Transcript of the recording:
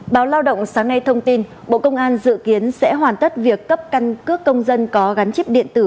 báo lao động sáng nay thông tin bộ công an dự kiến sẽ hoàn tất việc cấp căn cước công dân có gắn chip điện tử